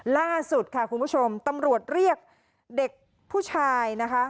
ล่าสุดค่ะคุณผู้ชมตำรวจเรียกเด็กผู้ชายนะคะ